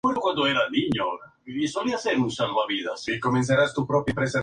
Posteriormente, bajo las órdenes del Mayor general Calixto García, alcanzó los grados de Coronel.